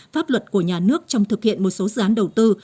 pháp luật của nhà nước trong thực hiện một số dự án đầu tư